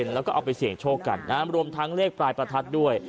แล้วก็เอาไปเสี่ยงโชคกันรวมทั้งเลขปลายประทัดด้วย